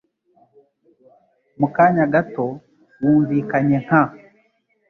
Mu kanya gato, wumvikanye nka .